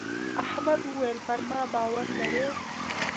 احمد وويل: پر ما باور لرې.